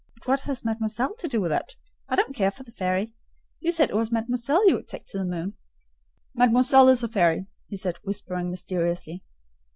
"But what has mademoiselle to do with it? I don't care for the fairy: you said it was mademoiselle you would take to the moon?" "Mademoiselle is a fairy," he said, whispering mysteriously.